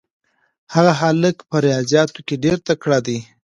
هغه هلک په ریاضیاتو کې ډېر تکړه دی.